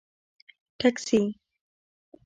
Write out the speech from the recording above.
🚖 ټکسي